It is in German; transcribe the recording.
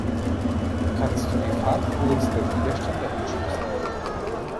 Kannst du die Farbcodes der Widerstände entschlüsseln?